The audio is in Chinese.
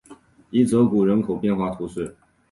伊泽谷人口变化图示